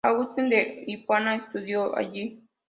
Agustín de Hipona estudió allí.